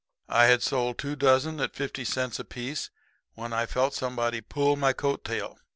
I had sold two dozen at fifty cents apiece when I felt somebody pull my coat tail.